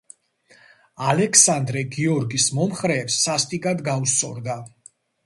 ალექსანდრე გიორგის მომხრეებს სასტიკად გაუსწორდა.